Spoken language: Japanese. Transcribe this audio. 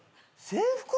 制服？